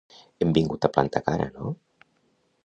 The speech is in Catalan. Hem vingut a plantar cara, ¿no?